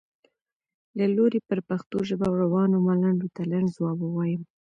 له لوري پر پښتو ژبه روانو ملنډو ته لنډ ځواب ووایم.